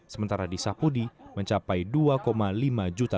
sementara di sapudi mencapai dua lima juta